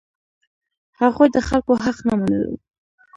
هغوی د خلکو حق نه منلو.